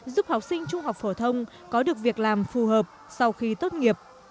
giúp học sinh trung học phổ thông có được việc làm phù hợp sau khi tốt nghiệp